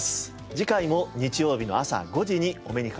次回も日曜日の朝５時にお目にかかりましょう。